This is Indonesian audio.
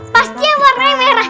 pastinya warnanya merah